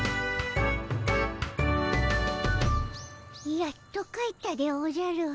やっと帰ったでおじゃる。